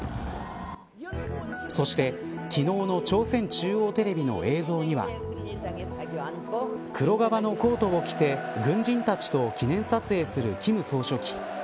そして、昨日の朝鮮中央テレビの映像には黒革のコートを着て軍人たちと記念撮影する金総書記。